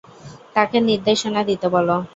তাকে নির্দেশনা দিতে বলো।